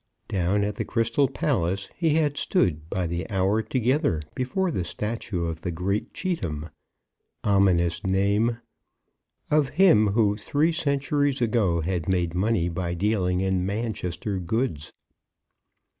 Down at the Crystal Palace he had stood by the hour together before the statue of the great Cheetham, ominous name! of him who three centuries ago had made money by dealing in Manchester goods.